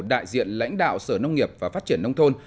đại diện lãnh đạo sở nông nghiệp và phát triển nông thôn